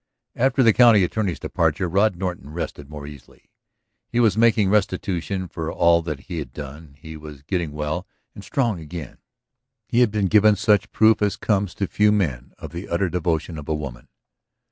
After the county attorney's departure Rod Norton rested more easily. He was making restitution for all that he had done, he was getting well and strong again, he had been given such proof as comes to few men of the utter devotion of a woman.